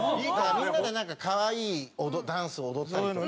みんなでなんか可愛いダンスを踊ったりとかね。